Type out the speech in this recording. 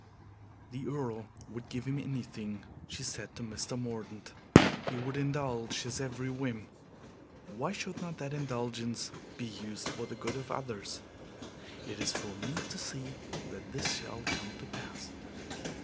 "The Earl would give him anything," she said to Mr. Mordaunt. "He would indulge his every whim. Why should not that indulgence be used for the good of others? It is for me to see that this shall come to pass."